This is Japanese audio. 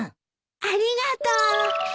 ありがとう。